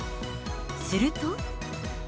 すると。